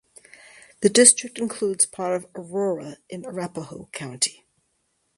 The district includes part of Aurora in Arapahoe County.